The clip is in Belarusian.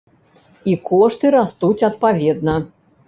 І кошты растуць адпаведна.